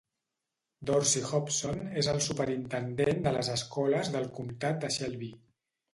Dorsey Hopson és el superintendent de les escoles del comtat de Shelby.